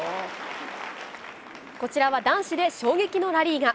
こちらは男子で衝撃のラリーが。